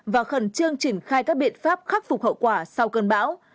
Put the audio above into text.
và khẩn trương triển khai các biện pháp khắc phục hậu quả sau cơn bão